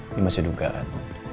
ini masih dugaan